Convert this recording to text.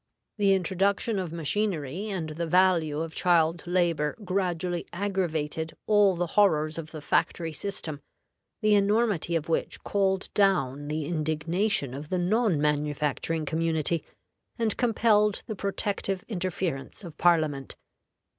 The introduction of machinery and the value of child labor gradually aggravated all the horrors of the factory system, the enormity of which called down the indignation of the non manufacturing community, and compelled the protective interference of Parliament.